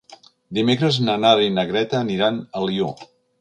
Dimecres na Nara i na Greta aniran a Alió.